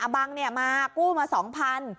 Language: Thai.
บังมากู้มา๒๐๐บาท